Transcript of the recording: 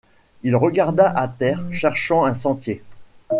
Il regarda à terre, cherchant un sentier.